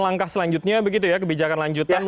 langkah selanjutnya begitu ya kebijakan lanjutan